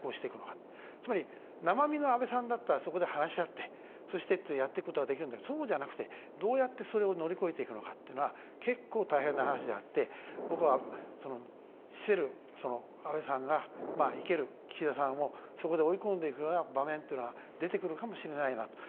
つまり生身の安倍さんだったらそこで話し合って、そしてやっていくことができるんだけどそうじゃなくて、どうやってそれを乗り越えていくのかっていうのは結構、大変な話であって僕は、死せる安倍さんが生ける岸田さんをそこで追い込んでいくような場面というのは出てくるかもしれないなと。